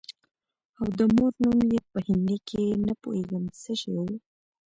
او د مور نوم يې په هندي کښې نه پوهېږم څه شى و.